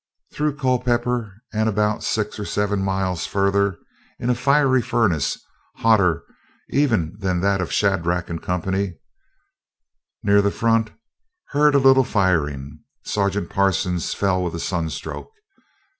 Through Culpeper and about six or seven miles further in a fiery furnace hotter even than that of Shadrach & Co. Near the front, heard a little firing. Sergeant Parsons fell with sun stroke.